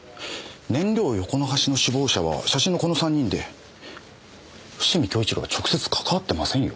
燃料横流しの首謀者は写真のこの３人で伏見亨一良は直接関わってませんよ。